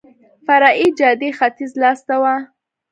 فرعي جادې ختیځ لاس ته وه.